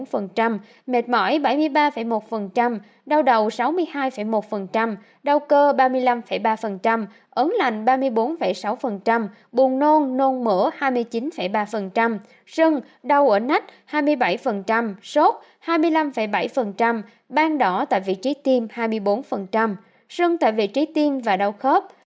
các phản ứng bất lợi được báo cáo nhiều nhất ở trẻ em từ sáu đến dưới một mươi hai tuổi sau lịa trình tiêm mệt mỏi ba mươi ba một ớn lạnh ba mươi bốn sáu bùn nôn nôn mỡ hai mươi chín ba sưng đau ở nách hai mươi bảy sốt hai mươi năm bảy ban đỏ tại vị trí tiêm hai mươi bốn sưng tại vị trí tiêm và đau khớp